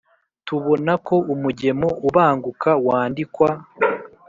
tubona ko umugemo ubanguka wandikwa